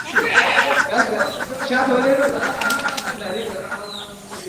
پۀ نوم د شاعرۍ يو کتاب چاپ کړو،